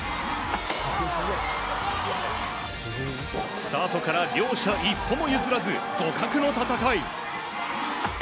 スタートから両者一歩も譲らず互角の戦い。